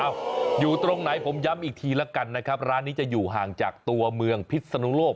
อยู่ตรงไหนผมย้ำอีกทีละกันนะครับร้านนี้จะอยู่ห่างจากตัวเมืองพิศนุโลก